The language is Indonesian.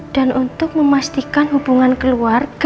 dan untuk memastikan hubungan keluarga